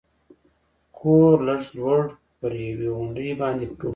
کور لږ لوړ پر یوې غونډۍ باندې پروت و.